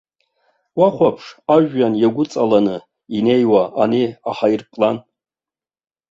Уахәаԥш ажәҩан иагәыҵаланы инеиуа ани аҳаирплан.